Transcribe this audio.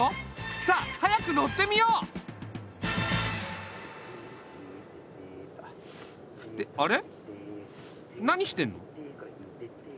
さあ早く乗ってみよう！ってあれ何してんの？